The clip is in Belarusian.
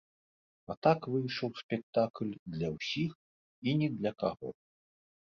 А так выйшаў спектакль для ўсіх і ні для каго.